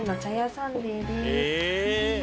サンデーです。